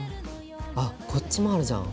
あっこっちもあるじゃん。